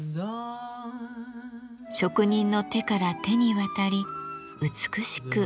職人の手から手に渡り美しく彩られます。